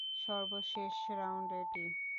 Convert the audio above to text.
সর্বশেষ রাউন্ড এটি।